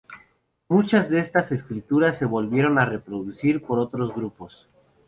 Muchas de estas escrituras se volvieron a reproducir por otros grupos.